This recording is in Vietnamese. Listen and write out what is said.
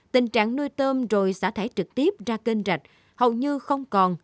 tình trạng nuôi tôm rồi xả thải trực tiếp ra kênh rạch hầu như không còn